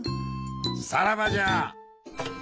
さらばじゃ！